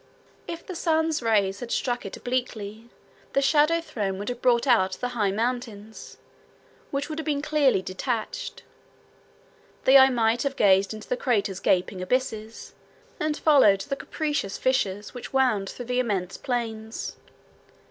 If the sun's rays had struck it obliquely, the shadow thrown would have brought out the high mountains, which would have been clearly detached. The eye might have gazed into the crater's gaping abysses, and followed the capricious fissures which wound through the immense plains.